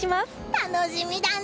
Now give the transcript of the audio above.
楽しみだね。